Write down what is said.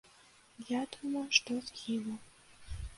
А я думаў, што згінуў.